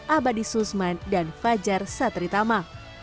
abadi susman dan fajar satritama